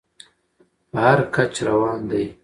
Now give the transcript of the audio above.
په هر کچ روان دى.